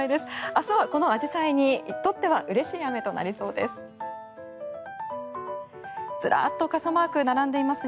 明日はこのアジサイにとってはうれしい雨になりそうです。